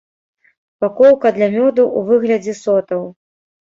Упакоўка для мёду ў выглядзе сотаў.